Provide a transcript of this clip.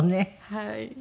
はい。